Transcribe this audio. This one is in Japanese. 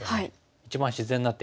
一番自然な手。